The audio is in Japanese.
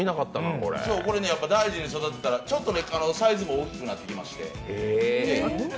これ、大事に育てたらサイズも大きくなってきまして。